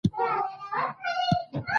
زمونږ کلی شین دی